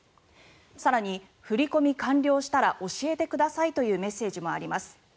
更に、振り込み完了したら教えてくださいというメッセージもあります。